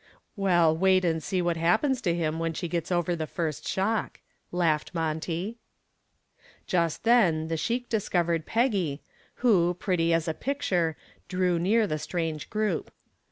"Well, wait and see what happens to him when she gets over the first shock," laughed Monty. Just then the sheik discovered Peggy, who, pretty as a picture, drew near the strange group.